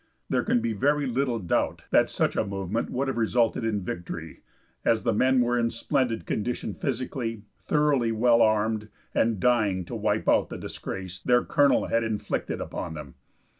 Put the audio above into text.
There can be very little doubt that such a movement would have resulted in victory, as the men were in splendid condition physically, thoroughly well armed, and dying to wipe out the disgrace their colonel had inflicted upon them.